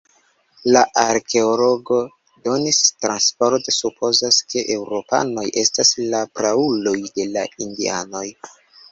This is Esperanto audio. La arkeologo Dennis Stanford supozas, ke eŭropanoj estas la prauloj de la indianoj.